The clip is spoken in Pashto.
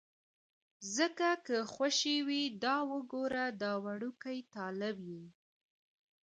ځکه که خوشې وي، دا وګوره دا وړوکی طالب یې.